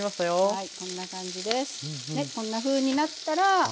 はい。